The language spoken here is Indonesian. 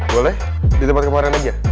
boleh di tempat kemarin aja